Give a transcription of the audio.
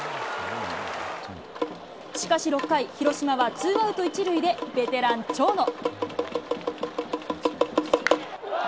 しかし６回、広島はツーアウト１塁でベテラン、長野。